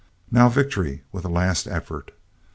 Now victory with a last effort!